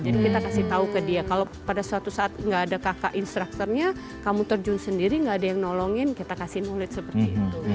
jadi kita kasih tau ke dia kalau pada suatu saat nggak ada kakak instructornya kamu terjun sendiri nggak ada yang nolongin kita kasih knowledge seperti itu